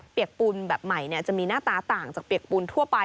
ปูนแบบใหม่จะมีหน้าตาต่างจากเปียกปูนทั่วไป